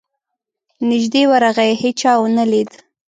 نیژدې ورغی هېچا ونه لید.